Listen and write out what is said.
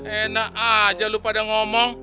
enak aja lo pada ngomong